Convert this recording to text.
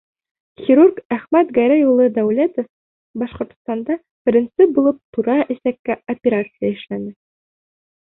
Хирург Әхмәт Гәрәй улы Дәүләтов Башҡортостанда беренсе булып тура эсәккә операция эшләне.